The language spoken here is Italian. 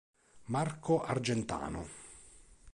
Marco Argentano.